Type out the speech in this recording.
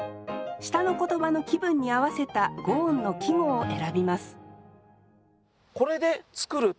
下の言葉の気分に合わせた五音の季語を選びます